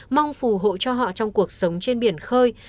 mong phù hộ cho họ trong cuộc sống trên biển khơi